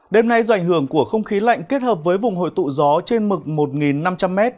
đêm nay do ảnh hưởng của không khí lạnh kết hợp với vùng hội tụ gió trên mực một năm trăm linh m